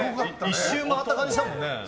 １周回った感じしたもんね。